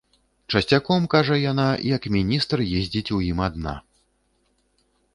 Часцяком, кажа, яна, як міністр, ездзіць у ім адна.